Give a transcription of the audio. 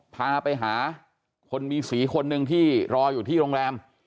พาไปหาคนมีสีคนหนึ่งที่รออยู่ที่โรงแรม